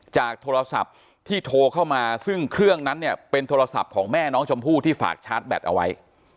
โทรศัพท์ที่โทรเข้ามาซึ่งเครื่องนั้นเนี่ยเป็นโทรศัพท์ของแม่น้องชมพู่ที่ฝากชาร์จแบตเอาไว้